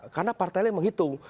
karena partainya menghitung